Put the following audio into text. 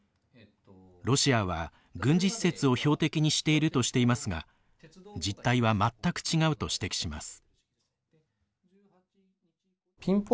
ロシアは軍事施設を標的にしているとしていますが実態は全く違うと指摘します。